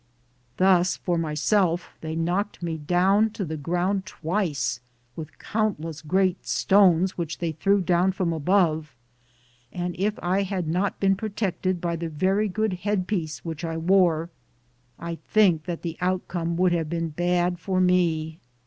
Thus, for myself, they knocked me down to the ground twice with countless great Btonea which they threw down from above, and if I had not been pro tected by the very good headpiece which I wore, I think that the outcome would have been had for me.